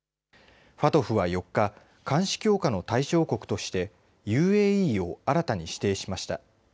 ＦＡＴＦは４日監視強化の対象国としてＵＡＥを新たに指定しました。